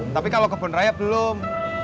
tapi kalau kebun raya belum